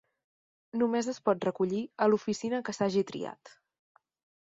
Només es pot recollir a l'oficina que s'hagi triat.